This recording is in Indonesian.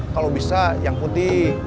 kalau bisa yang putih